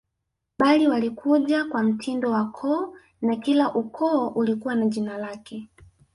Bali walikuja kwa mtindo wa koo na kila ukoo ulikuwa na jina lake